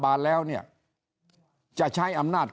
ก็มาเมืองไทยไปประเทศเพื่อนบ้านใกล้เรา